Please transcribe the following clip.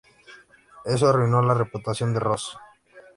Eso arruinó la reputación de Ross.